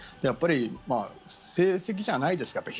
やっぱり、成績じゃないですね。